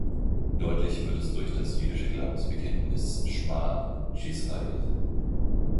Deutlich wird es durch das jüdische Glaubensbekenntnis Schma Jisrael.